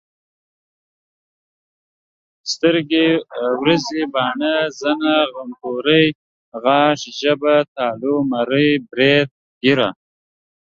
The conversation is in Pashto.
سترګي ، وريزي، باڼه، زنه، غمبوري، غاښ، ژبه ،تالو، مرۍ، بريت، ګيره